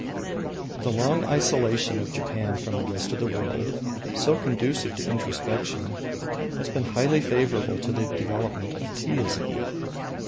The long isolation of Japan from the rest of the world, so conducive to introspection, has been highly favourable to the development of Teaism.